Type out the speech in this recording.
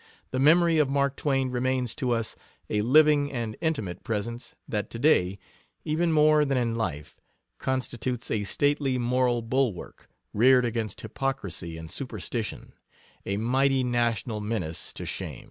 The memory of Mark Twain remains to us a living and intimate presence that today, even more than in life, constitutes a stately moral bulwark reared against hypocrisy and superstition a mighty national menace to sham.